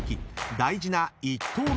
［大事な１投目］